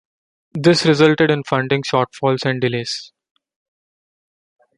This resulted in funding shortfalls and delays.